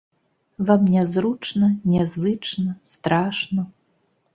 Вам нязручна, нязвычна, страшна.